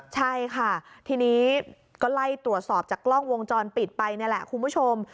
ใช่ค่ะทีนี้ก็ไล่ตรวจสอบจากกล้องวงจรปิดไปนี่แหละคุณผู้ชม